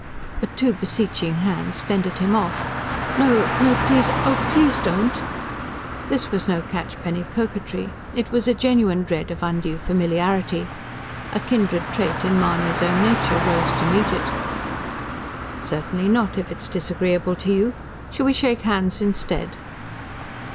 But two beseeching hands fended him off. "No ... no. Please ... oh, PLEASE, don't!" This was no catchpenny coquetry; it was a genuine dread of undue familiarity. A kindred trait in Mahony's own nature rose to meet it. "Certainly not, if it is disagreeable to you. Shall we shake hands instead?"